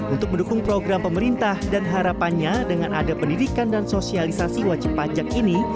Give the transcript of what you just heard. untuk mendukung program pemerintah dan harapannya dengan ada pendidikan dan sosialisasi wajib pajak ini